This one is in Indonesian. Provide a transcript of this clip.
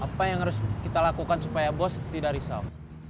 apa yang harus kita lakukan supaya bos tidak result